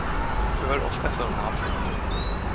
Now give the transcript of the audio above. Earl of Atholl nachfolgte.